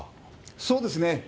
そうですね。